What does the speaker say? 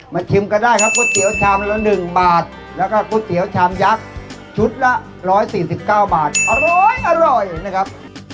มาชิมก็ได้ครับก๋วยเตี๋ยวชามละหนึ่งบาทแล้วก็ก๋วยเตี๋ยวชามยักษ์ชุดละร้อยสี่สิบเก้าบาทอร้อยอร่อยนะครับ